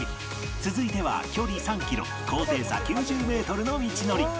続いては距離３キロ高低差９０メートルの道のり